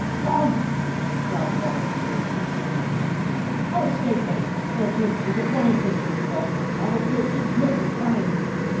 "Gone!" cried Ranulph, fiercely springing to his feet. "How escaped they? There appears to be but one entrance to this vault. I will search each nook and cranny."